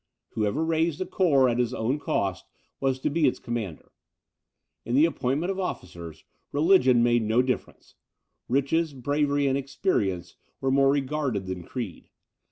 Whoever raised a corps at his own cost was to be its commander. In the appointment of officers, religion made no difference. Riches, bravery and experience were more regarded than creed.